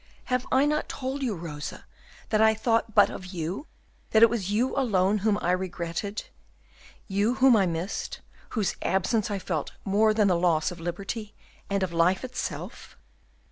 Have I not told you, Rosa, that I thought but of you? that it was you alone whom I regretted, you whom I missed, you whose absence I felt more than the loss of liberty and of life itself?"